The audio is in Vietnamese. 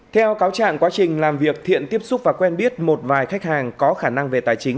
theo cáo trạng quá trình làm việc thiện tiếp xúc và quen biết một vài khách hàng có khả năng về tài chính